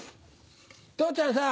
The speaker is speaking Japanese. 父ちゃんさ